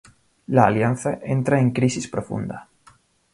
La alianza entra en crisis profunda.